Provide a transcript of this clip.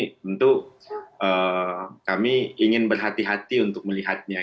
tentu kami ingin berhati hati untuk melihatnya